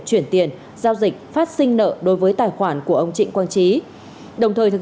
chuyển tiền giao dịch phát sinh nợ đối với tài khoản của ông trịnh quang trí đồng thời thực